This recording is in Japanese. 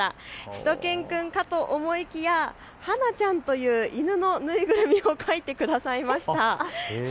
しゅと犬くんかと思いきや、はなちゃんという犬の縫いぐるみを描いてくださいました。